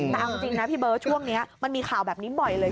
แต่เอาจริงนะพี่เบิร์ตช่วงนี้มันมีข่าวแบบนี้บ่อยเลย